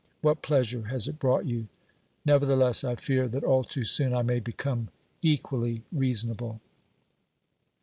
What pleasure has it brought you ? Nevertheless, I fear that all too soon I may become equally reasonable.